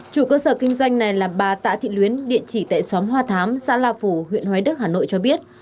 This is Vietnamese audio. chủ cơ sở kinh doanh này là bà tạ thị luyến địa chỉ tại xóm hoa thám xã la phủ huyện hoài đức hà nội cho biết